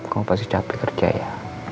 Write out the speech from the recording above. kamu pasti capek kerja ya